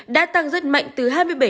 đã tăng rất mạnh từ hai mươi bảy